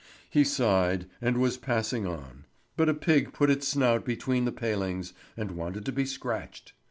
He sighed, and was passing on; but a pig put its snout between the palings and wanted to be scratched.